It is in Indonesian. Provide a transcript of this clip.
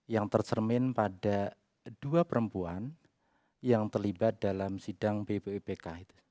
yang tercermin pada dua perempuan yang terlibat dalam sidang bpopk